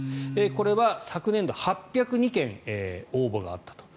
これは昨年度８０２件応募があったと。